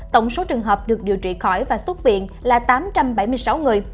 tổng số trường hợp được điều trị khỏi và xuất viện là tám trăm bảy mươi sáu người